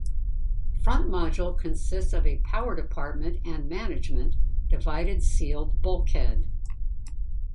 Front module consists of a power department and management, divided sealed bulkhead.